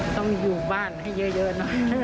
ต้องอยู่บ้านให้เยอะนะ